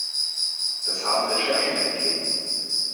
Das haben Recherchen ergeben.